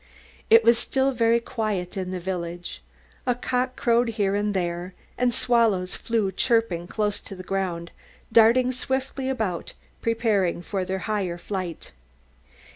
It was still very quiet in the village. A cock crowed here and there, and swallows flew chirping close to the ground, darting swiftly about preparing for their higher flight.